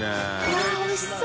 わぁおいしそう！